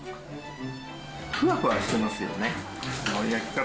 ふわふわしてますよね。